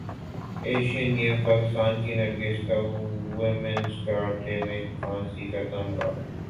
Asian Games Pakistan کی نرگس کا women's karate میں کانسی کا تمغہ